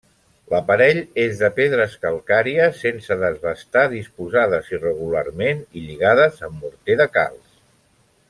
L'aparell és de pedres calcàries sense desbastar, disposades irregularment i lligades amb morter de calç.